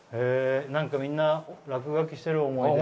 何かみんな落書きしてるあっ